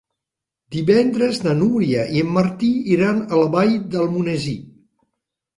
Divendres na Núria i en Martí iran a la Vall d'Almonesir.